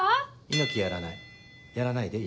猪木やらないやらないで猪木。